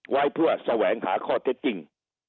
ไว้เพื่อแสวงหาข้อเท็จจริง